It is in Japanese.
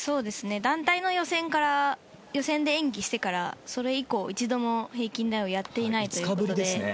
団体の予選で演技をしてからそれ以降、一度も平均台をやっていないという。